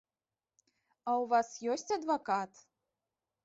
А ў вас ёсць адвакат?